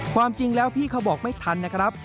ความจริงแล้วพี่เขาบอกไม่ทันนะครับ